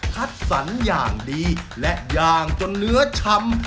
คัดสรรอย่างดีและย่างจนเนื้อช้ำ